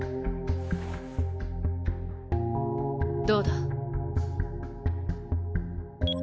どうだ？